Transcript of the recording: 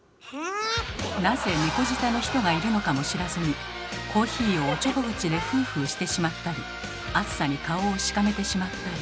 なぜ猫舌の人がいるのかも知らずにコーヒーをおちょぼ口でフーフーしてしまったり熱さに顔をしかめてしまったり。